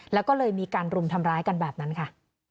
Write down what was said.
แล้วก็เลยมีการรุมทำร้ายกันแบบนั้นค่ะ